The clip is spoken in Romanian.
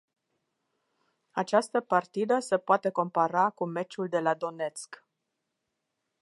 Această partidă se poate compara cu meciul de la Donețk.